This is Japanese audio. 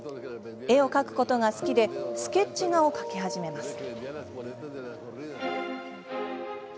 絵を描くことが好きでスケッチ画を描き始めます。